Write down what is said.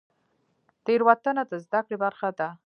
تیروتنه د زده کړې برخه ده